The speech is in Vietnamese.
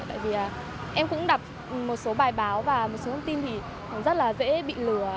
tại vì em cũng đặt một số bài báo và một số thông tin thì rất là dễ bị lừa